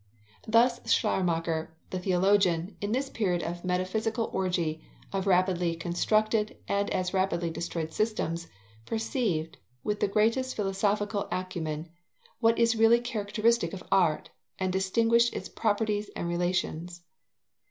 Thus Schleiermacher, the theologian, in this period of metaphysical orgy, of rapidly constructed and as rapidly destroyed systems, perceived, with the greatest philosophical acumen, what is really characteristic of art, and distinguished its properties and relations.